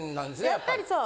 やっぱりそう。